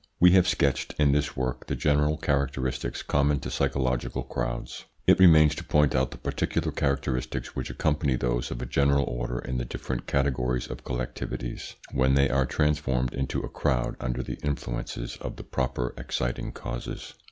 We have sketched in this work the general characteristics common to psychological crowds. It remains to point out the particular characteristics which accompany those of a general order in the different categories of collectivities, when they are transformed into a crowd under the influences of the proper exciting causes.